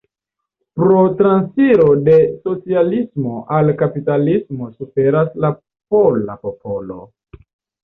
Pro transiro de socialismo al kapitalismo suferas la pola popolo.